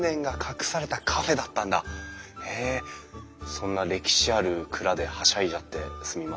そんな歴史ある蔵ではしゃいじゃってすみません。